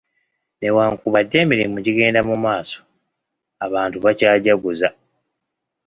Newankubadde emirimu gigenda mu maaso, abantu bakyajaguza.